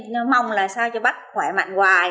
nó mong là sao cho bác khỏe mạnh hoài